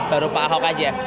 baru pak ahok aja